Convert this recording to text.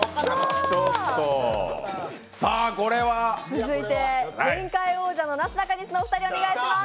続いて前回王者のなすなかにし、お願いします。